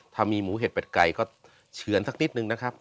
ถ้ามีหมูเห็ดเป็ดไก่ก็เฉือนสักนิดนึงนะครับ